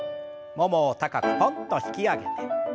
ももを高くポンと引き上げて。